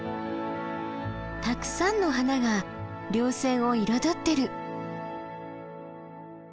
たくさんの花が稜線を彩ってる。